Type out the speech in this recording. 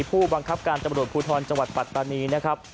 ผู้บังคับการตำรวจภูทรจังหวัดปัตตานีนะครับ